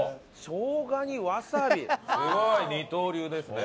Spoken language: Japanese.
すごい二刀流ですね。